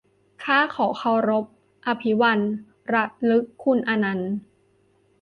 ข้าขอเคารพอภิวันท์ ระลึกคุณอนันต์